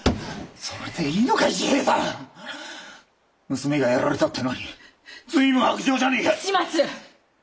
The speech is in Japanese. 娘がやられたってのに随分薄情じゃえねえか！